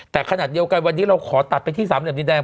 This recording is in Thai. แต่ขณะเดียวกันวันนี้เราขอตัดไปที่สามเหลี่ยินแดง